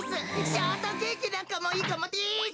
ショートケーキなんかもいいかもです。